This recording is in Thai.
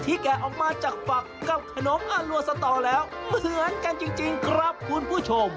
แกะออกมาจากฝักกับขนมอลัวสตอแล้วเหมือนกันจริงครับคุณผู้ชม